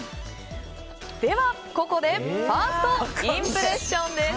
では、ここでファーストインプレッションです。